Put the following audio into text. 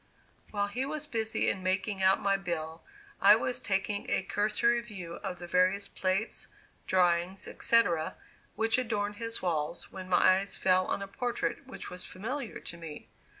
While he was busy in making out my bill, I was taking a cursory view of the various plates, drawings, etc., which adorned his walls, when my eyes fell on a portrait which was familiar to me.